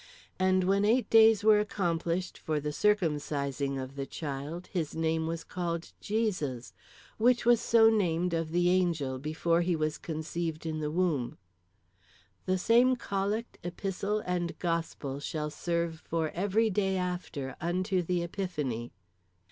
And when eight days were accomplished for the circumcising of the child, his name was called JESUS, which was so named of the angel before he was conceived in the womb. _The same Collect, Epistle, and Gospel shall serve for every day after, unto the Epiphany.